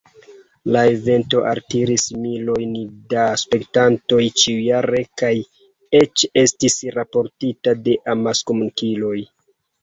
La evento altiris milojn da spektantoj ĉiujare kaj eĉ estis raportita de amaskomunikiloj.